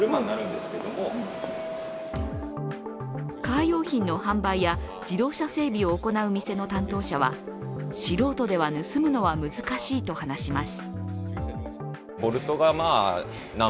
カー用品の販売や自動車整備を行う店の担当者は素人では盗むのは難しいと話します。